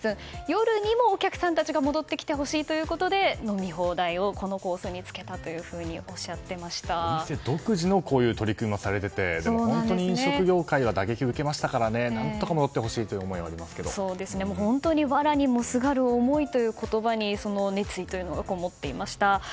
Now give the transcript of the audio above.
夜にもお客さんたちが戻ってきてほしいということで飲み放題をこのコースにお店独自の取り組みをされてて本当に飲食業界は打撃を受けましたから何とか戻ってほしいわらにもすがる思いという言葉にその熱意がこもっていました。